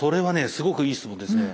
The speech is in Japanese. すごくいい質問ですね。